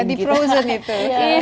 kayak di frozen itu